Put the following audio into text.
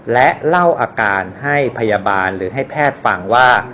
และเล่าอาการให้พยาบาลหรือให้แพทย์ฟังว่า